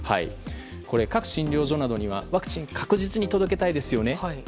各診療所などにはワクチンを確実に届けたいですよね。